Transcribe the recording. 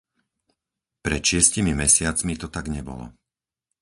Pred šiestimi mesiacmi to tak nebolo.